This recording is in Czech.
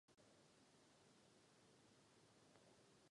Byla financována místním úřadem a rozpočtem z Evropské unie.